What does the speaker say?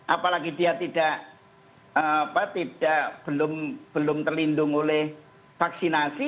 apalagi dia tidak apa belum terlindung oleh vaksinasi